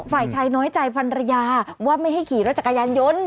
ฝ่ายชายน้อยใจฟันรยาว่าไม่ให้ขี่รถจักรยานยนต์